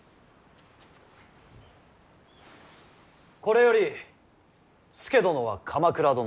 これより佐殿は鎌倉殿。